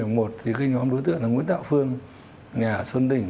điện tập một khi nhóm đối tượng là nguyễn tạo phương nhà xuân đình